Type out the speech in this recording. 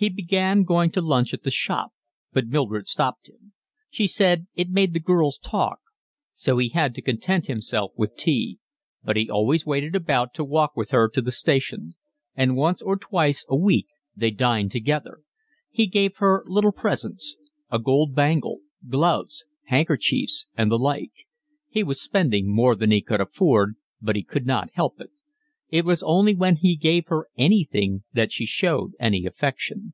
He began going to lunch at the shop, but Mildred stopped him: she said it made the girls talk; so he had to content himself with tea; but he always waited about to walk with her to the station; and once or twice a week they dined together. He gave her little presents, a gold bangle, gloves, handkerchiefs, and the like. He was spending more than he could afford, but he could not help it: it was only when he gave her anything that she showed any affection.